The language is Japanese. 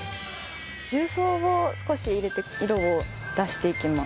重曹を少し入れて色を出していきます。